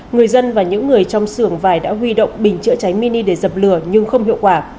người dân và những người trong xưởng vải đã huy động bình chữa cháy mini để dập lửa nhưng không hiệu quả